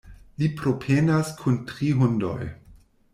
Li promenas kun tri hundoj.